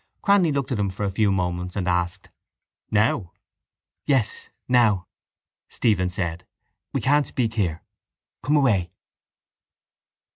Cranly looked at him for a few moments and asked: —Now? —Yes, now, Stephen said. We can't speak here. Come away.